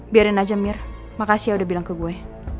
biarin aja mir makasih ya udah bilang ke gue